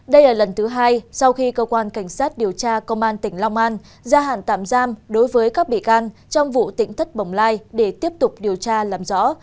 đây là lần thứ hai sau khi cơ quan cảnh sát điều tra công an tỉnh long an ra hạn tạm giam đối với các bị can trong vụ tỉnh thất bồng lai để tiếp tục điều tra làm rõ